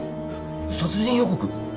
殺人予告！？